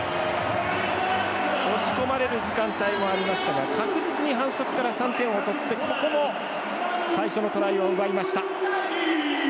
押し込まれる時間帯もありましたが確実に反則から３点を取ってここも最初のトライを奪いました。